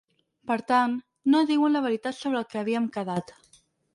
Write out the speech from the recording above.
Per tant, no diuen la veritat sobre el que havíem quedat.